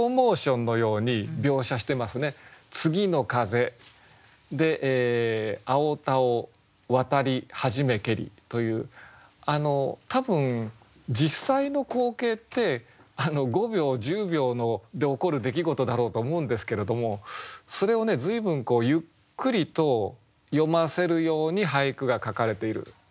とても「次の風青田を渡り始めけり」という多分実際の光景って５秒１０秒で起こる出来事だろうと思うんですけれどもそれをね随分ゆっくりと読ませるように俳句が書かれている。